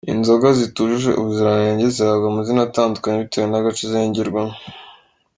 Inzoga zitujuje ubuziranenge zihabwa amazina atandukanye bitewe n’agace zengerwamo.